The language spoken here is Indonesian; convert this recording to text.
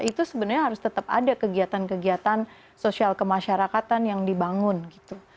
itu sebenarnya harus tetap ada kegiatan kegiatan sosial kemasyarakatan yang dibangun gitu